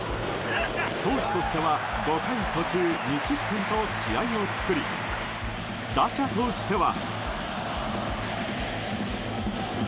投手としては５回途中２失点と試合を作り打者としては。